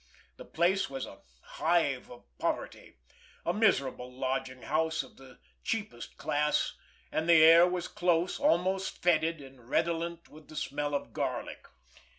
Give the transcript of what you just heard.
The place was a hive of poverty, a miserable lodging house of the cheapest class; and the air was close, almost fetid, and redolent with the smell of garlic.